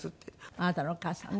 あなたのお母さんね。